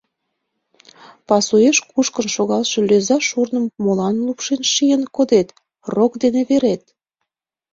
Пасуэш кушкын шогалше лӧза шурным молан лупшен шийын кодет, рок дене верет?